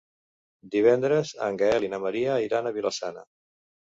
Divendres en Gaël i na Maria iran a Vila-sana.